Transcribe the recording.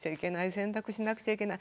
洗濯しなくちゃいけない。